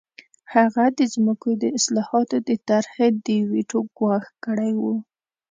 هغه د ځمکو د اصلاحاتو د طرحې د ویټو ګواښ کړی و